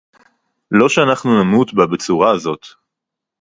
לא שאנחנו נמות בה בצורה הזאת